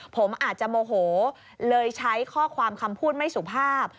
ผมอาจจะโมโหเลยใช้ข้อความคำพูดไม่สุภาพ